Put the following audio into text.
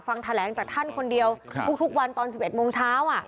ฟังแถลงจากท่านคนเดียวทุกวันตอน๑๑โมงเช้า